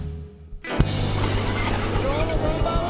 どうもこんばんは！